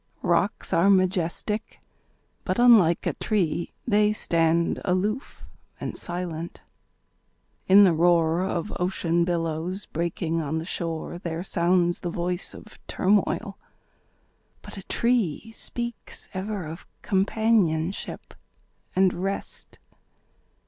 Rocks are majestic; but, unlike a tree, They stand aloof, and silent. In the roar Of ocean billows breaking on the shore There sounds the voice of turmoil. But a tree Speaks ever of companionship and rest.